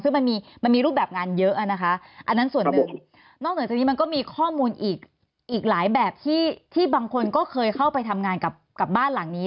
ซึ่งมันมีรูปแบบงานเยอะนะคะอันนั้นส่วนหนึ่งนอกเหนือจากนี้มันก็มีข้อมูลอีกหลายแบบที่บางคนก็เคยเข้าไปทำงานกับบ้านหลังนี้